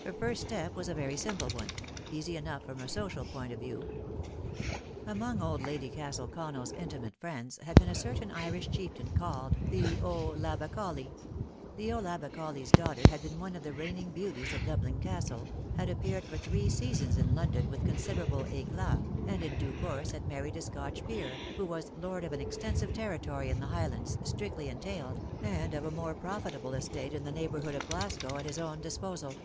Her first step was a very simple one, easy enough from a social point of view. Among old Lady Castle Connell's inti mate friends had been a certain Irish chieftain called The O'Labacolly. The O'Labacolly's daughter had been one of the reigning beauties of Dublin Castle, had appeared for three sea sons in London with considerable eclat, and in due course had married a Scotch peer, who was lord of an extensive territory in the Highlands, strictly entailed, and of a more profitable estate in the neighbourhood of Glasgow at his own disposal.